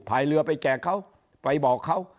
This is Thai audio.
พายเรือไปแจกเขาไปบอกเขา